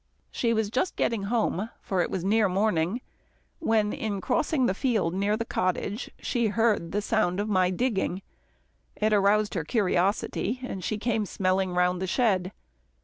She was just getting home, for it was near morning, when in crossing the field near the cottage, she heard the sound of my digging. It aroused her curiosity, and she came smelling round the shed.